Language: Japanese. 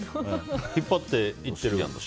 引っ張っていってる？